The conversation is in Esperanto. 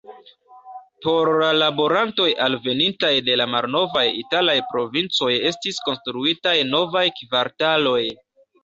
Por la laborantoj alvenintaj de la malnovaj italaj provincoj estis konstruitaj novaj kvartaloj.